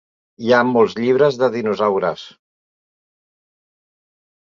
Hi ha molts llibres de dinosaures.